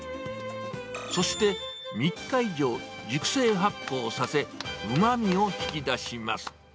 そして３日以上、熟成発酵させ、うまみを引き出します。